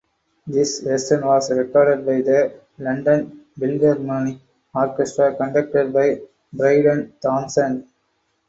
This version was recorded by the London Philharmonic Orchestra conducted by Bryden Thomson.